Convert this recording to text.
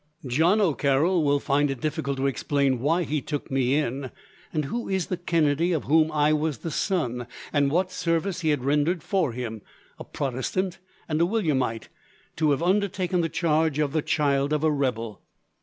"John O'Carroll will find it difficult to explain why he took me in, and who is the Kennedy of whom I was the son, and what service he had rendered for him, a Protestant and a Williamite, to have undertaken the charge of the child of a rebel.